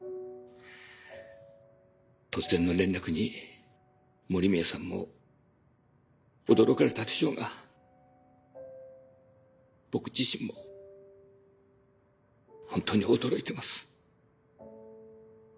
突然の連絡に森宮さんも驚かれたでしょうが僕自身も本当に驚いてます。